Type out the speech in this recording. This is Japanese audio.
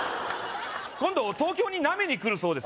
今度東京になめにくるそうです